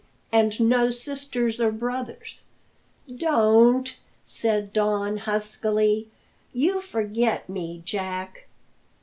"And no sisters or brothers." "Don't," said Don huskily; "you forget me, Jack."